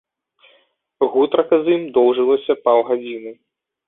Гутарка з ім доўжылася паўгадзіны.